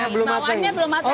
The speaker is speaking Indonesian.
bawaannya belum matang